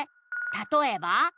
「たとえば？」